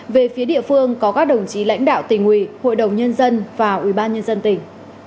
về phía địa phương có các đồng chí lãnh đạo tỉnh ủy hội đồng nhân dân và ubnd tỉnh